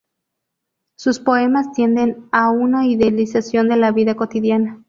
Sus poemas tienden a una idealización de la vida cotidiana.